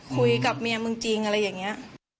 คุยกับเมียมึงจริงอะไรอย่างนี้